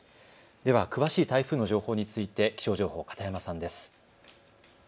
では詳しい台風の情報について気象情報、片山さんです。